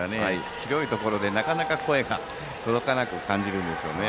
広いところで、なかなか声が届かなく感じるんでしょうね。